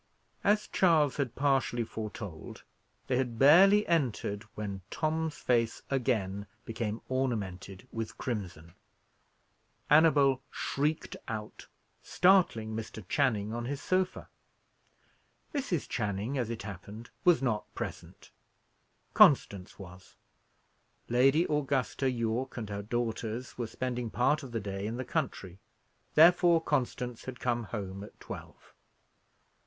As Charles had partially foretold, they had barely entered, when Tom's face again became ornamented with crimson. Annabel shrieked out, startling Mr. Channing on his sofa. Mrs. Channing, as it happened, was not present; Constance was: Lady Augusta Yorke and her daughters were spending part of the day in the country, therefore Constance had come home at twelve.